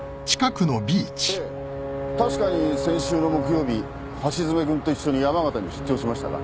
ええ確かに先週の木曜日橋爪君と一緒に山形に出張しましたが。